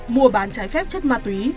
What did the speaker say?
mua bán trái phép chất ma túy